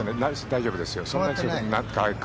大丈夫ですよ。